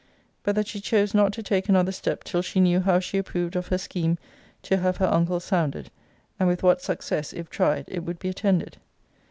But that she chose not to take another step till she knew how she approved of her scheme to have her uncle sounded, and with what success, if tried, it would be attended.